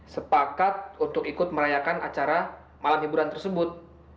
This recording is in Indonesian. sepakat untuk ikut merayakan acara malam hiburan tersebut